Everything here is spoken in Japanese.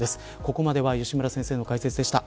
ここまでは吉村先生の解説でした。